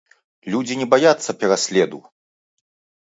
Людзі не баяцца пераследу!